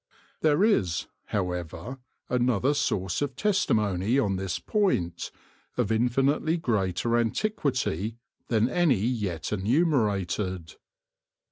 There is, however, another source of testi mony on this point, of infinitely greater antiquity than any yet enumerated.